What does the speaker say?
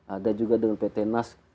ada juga dengan pt nas